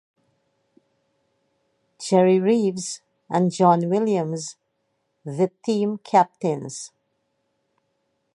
Jerry Reeves and John Williams the team captains.